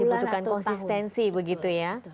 dibutuhkan konsistensi begitu ya